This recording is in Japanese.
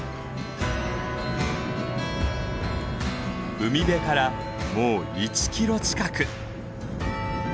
海辺からもう１キロ近く。